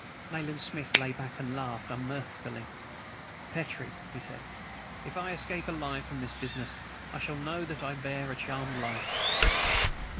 Nayland Smith lay back and laughed unmirthfully. "Petrie," he said, "if I escape alive from this business I shall know that I bear a charmed life."